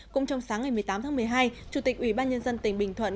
cũng trong sáng ngày một mươi tám tháng một mươi hai chủ tịch ủy ban nhân dân tỉnh bình thuận